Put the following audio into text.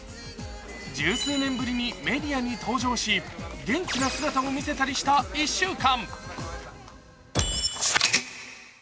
１９年ぶりにメディアに登場し元気な姿を見せたりした１週間。